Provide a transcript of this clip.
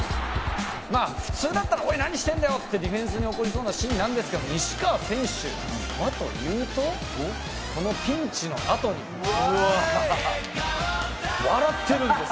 まあ普通だったら「おい何してんだよ！」ってディフェンスに怒りそうなシーンなんですけど西川選手はというとこのピンチのあとに笑ってるんです。